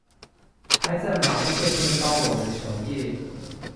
還在馬路對面幫我們守夜